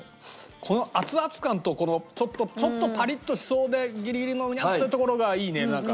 この熱々感とこのちょっとちょっとパリッとしそうでギリギリのうにゃってところがいいねなんか。